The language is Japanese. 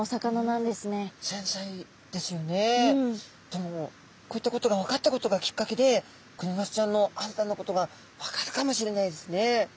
でもこういったことが分かったことがきっかけでクニマスちゃんの新たなことが分かるかもしれないですね。